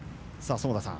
園田さん